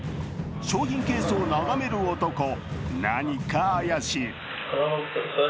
商品ケースを眺める男、何か怪しい。